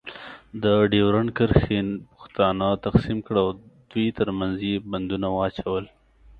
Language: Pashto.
د ډیورنډ کرښې پښتانه تقسیم کړل. او دوی ترمنځ یې بندونه واچول.